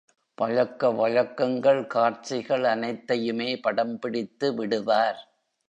பழக்கவழக்கங்கள் காட்சிகள் அனைத்தையுமே படம்பிடித்து விடுவார்.